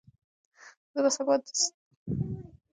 زه به ستا د راتلونکي ژوند لپاره تل دعاګانې کوم.